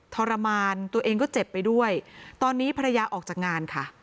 ทรมานตัวเองก็เจ็บไปด้วยตอนนี้ภรรยาออกจากงานค่ะ